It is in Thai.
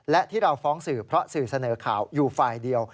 และที่เราฟ้องสื่อเพราะสื่อเสนอข่าวอยู่ฝ่ายเดียว